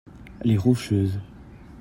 Les Rocheuses.